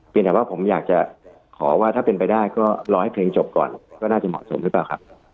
เป็นแต่ว่าผมอยากจะขอว่าถ้าเป็นไปได้ก็รอให้เพลงจบก่อนก็น่าจะเหมาะสมหรือเปล่าครับ